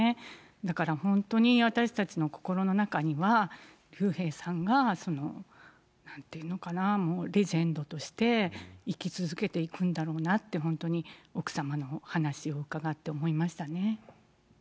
だから本当に、私たちの心の中には、竜兵さんがなんていうのかな、レジェンドとして生き続けていくんだろうなって、本当に奥様の話を伺って思いましたね。